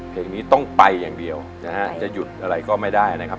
เพลงนี้ต้องไปอย่างเดียวนะฮะจะหยุดอะไรก็ไม่ได้นะครับ